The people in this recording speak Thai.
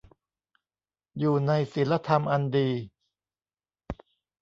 อยู่ในศีลธรรมอันดี